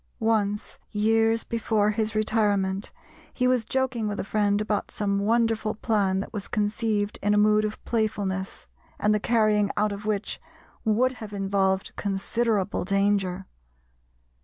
Once, years before his retirement, he was joking with a friend about some wonderful plan that was conceived in a mood of playfulness, and the carrying out of which would have involved considerable danger.